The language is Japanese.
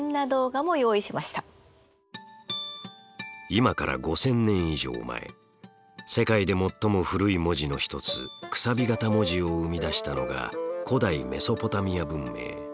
今から５，０００年以上前世界で最も古い文字の一つ楔形文字を生み出したのが古代メソポタミア文明。